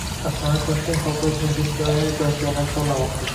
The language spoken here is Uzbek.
Afsonaviy Toshkent xalqaro kinofestivali yana ijodkorlarni chorlamoqda